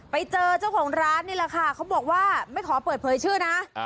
ไปเจอเจ้าของร้านนี่แหละค่ะเขาบอกว่าไม่ขอเปิดเผยชื่อนะ